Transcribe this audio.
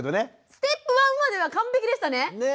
ステップ①までは完璧でしたね。